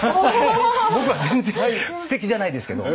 僕は全然すてきじゃないですけど。